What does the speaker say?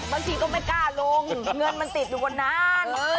บางทีก็ไม่กล้าลงเงินมันติดอยู่กว่านาน